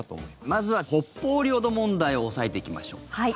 まずは北方領土問題を押さえていきましょう。